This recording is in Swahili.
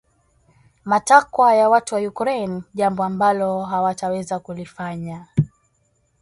matakwa ya watu wa Ukraine jambo ambalo hawataweza kulifanya